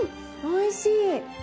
おいしい！